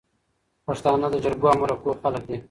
پښتانه د جرګو او مرکو خلک دي